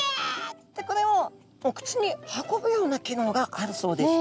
ってこれをお口に運ぶような機能があるそうです。